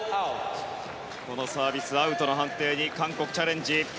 このサービス、アウトの判定に韓国、チャレンジ。